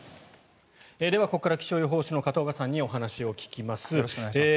では、ここから気象予報士の片岡さんにお話を聞きます。